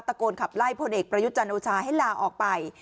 โกนขับไล่พลเอกประยุทธ์จันทร์โอชาให้ลาออกไป